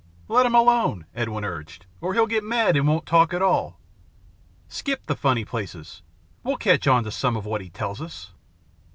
"Let him alone," Edwin urged, "or he'll get mad and won't talk at all. Skip the funny places. We'll catch on to some of what he tells us."